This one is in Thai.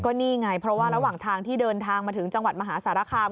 นี่ไงเพราะว่าระหว่างทางที่เดินทางมาถึงจังหวัดมหาสารคาม